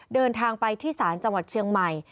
เดินทางไปที่ศาลจังหวัดเชียงใหม่